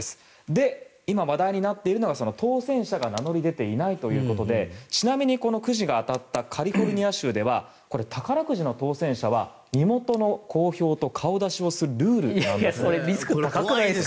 で、今話題になっているのが当選者が名乗り出ていないということでちなみに、このくじが当たったカリフォルニア州では宝くじの当選者は身元の公表と顔出しをするルールがあるんです。